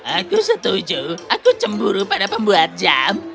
aku setuju aku cemburu pada pembuat jam